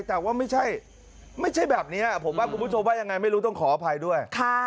แต่ว่าไม่ใช่แบบนี้ผมว่าคุณผู้ชมว่ายังไงไม่รู้ต้องขออภัยด้วย